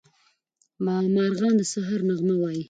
مارغان د سهار نغمه وايي.